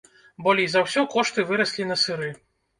Болей за ўсё кошты выраслі на сыры.